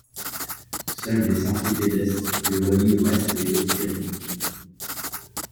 Seuls des sentiers pédestres le relient au reste des Hautes-Pyrénées.